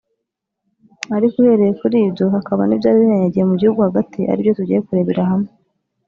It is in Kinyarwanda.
ariko uhereye kuri ibyo hakaba n’ibyari binyanyagiye mu gihugu hagati ari byo tugiye kurebera hamwe